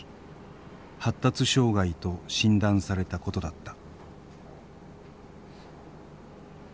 発達障害と診断されたことだった。